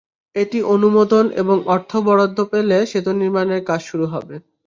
এটি অনুমোদন এবং অর্থ বরাদ্দ পেলে সেতু নির্মাণের কাজ শুরু হবে।